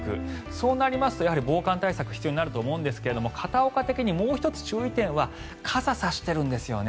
そうなりますと防寒対策が必要になると思うんですが片岡的にもう１つ注意点は傘を差してるんですよね。